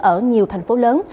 ở nhiều thành phố lớn